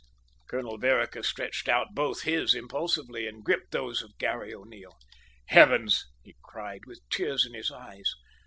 Colonel Vereker stretched out both his impulsively, and gripped those of Garry O'Neil. "Heavens!" he cried, with tears in his eyes.